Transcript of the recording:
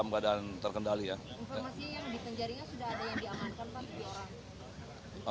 informasinya yang di penjaringan sudah ada yang diamankan pak